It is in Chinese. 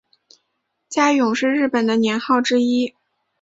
嘉永是日本的年号之一。